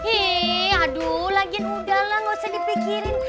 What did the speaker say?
eh aduh lagi udahlah gak usah dipikirin